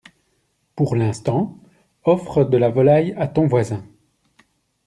Pour l'instant, offre de la volaille à ton voisin.